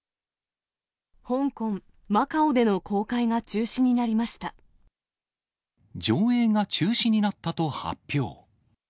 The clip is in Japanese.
香港・マカオでの公開が中止上映が中止になったと発表。